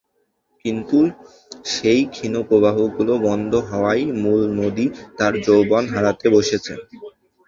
কিন্তু সেই ক্ষীণ প্রবাহগুলো বন্ধ হওয়ায় মূল নদী তার যৌবন হারাতে বসেছে।